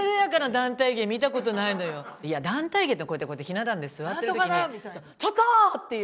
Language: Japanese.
いや団体芸ってこうやってひな壇で座ってる時に「ちょっと！」っていう。